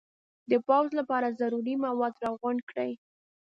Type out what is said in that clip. د پوځ لپاره ضروري مواد را غونډ کړي.